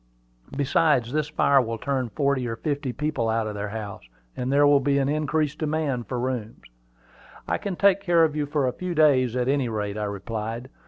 Besides, this fire will turn forty or fifty people out of their house, and there will be an increased demand for rooms." "I can take care of you for a few days, at any rate," I replied.